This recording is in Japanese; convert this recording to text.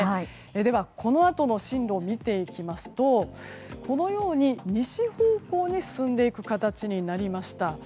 では、このあとの進路を見ていきますとこのように西方向に進んでいく形になりました。